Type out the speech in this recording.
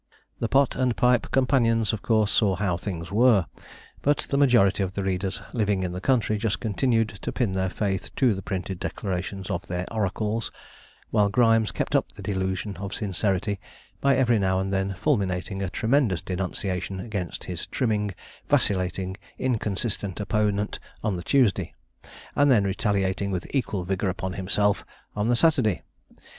The pot and pipe companions of course saw how things were, but the majority of the readers living in the country just continued to pin their faith to the printed declarations of their oracles, while Grimes kept up the delusion of sincerity by every now and then fulminating a tremendous denunciation against his trimming, vacillating, inconsistent opponent on the Tuesday, and then retaliating with equal vigour upon himself on the Saturday.